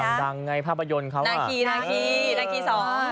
กำลังดังไงภาพยนตร์เขานาคีสอง